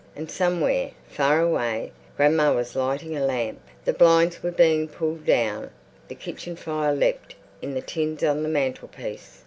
And somewhere, far away, grandma was lighting a lamp. The blinds were being pulled down; the kitchen fire leapt in the tins on the mantelpiece.